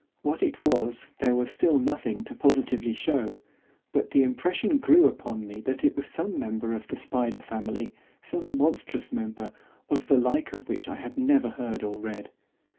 What it was there was still nothing to positively show, but the impression grew upon me that it was some member of the spider family, some monstrous member, of the like of which I had never heard or read.